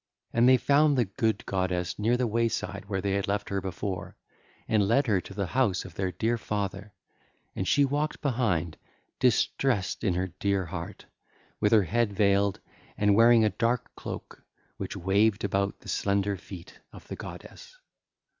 And they found the good goddess near the wayside where they had left her before, and led her to the house of their dear father. And she walked behind, distressed in her dear heart, with her head veiled and wearing a dark cloak which waved about the slender feet of the goddess.